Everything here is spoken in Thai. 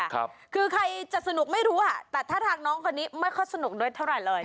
คือใครจะสนุกไม่รู้อ่ะแต่ท่าทางน้องคนนี้ไม่ค่อยสนุกด้วยเท่าไหร่เลย